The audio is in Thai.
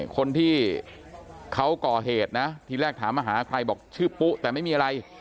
คนที่เขาก่อเหตุนะทีแรกถามมาหาใครบอกชื่อปุ๊แต่ไม่มีอะไร